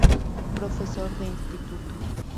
Profesor de instituto.